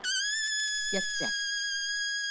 一隻